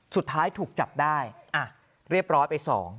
สุดท้ายถูกจับได้เรียบร้อยไป๒